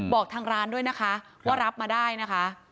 บอกทางร้านด้วยนะคะว่ารับมาได้นะคะ